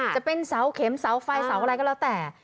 จะเป็นเสาเข็มเสาไฟเสาอะไรก็แล้วแต่